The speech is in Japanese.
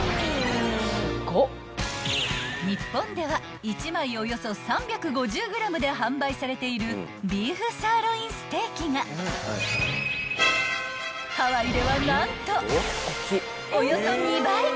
［日本では１枚およそ３５０ｇで販売されているビーフサーロインステーキがハワイでは何とおよそ２倍］